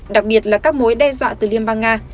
đặc biệt là các mối đe dọa từ liên bang nga